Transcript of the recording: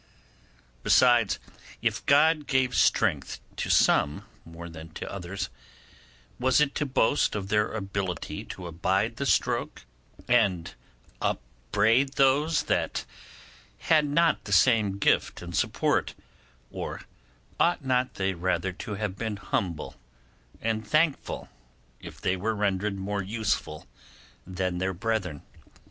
Besides, if God gave strength to some more than to others, was it to boast of their ability to abide the stroke, and upbraid those that had not the same gift and support, or ought not they rather to have been humble and thankful if they were rendered more useful than their brethren?